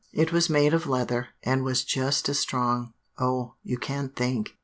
It was made of leather, and was just as strong oh, you can't think.